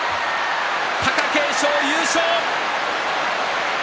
貴景勝、優勝。